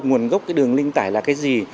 nguồn gốc cái đường linh tải là cái gì